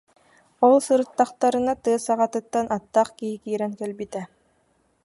Ол сырыттахтарына тыа саҕатыттан аттаах киһи киирэн кэлбитэ